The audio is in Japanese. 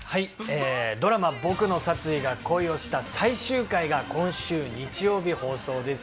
ドラマ『ボクの殺意が恋をした』最終回が今週日曜日放送です。